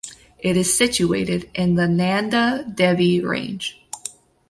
It is situated in the Nanda Devi range.